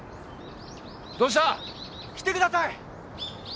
どうした？来てください！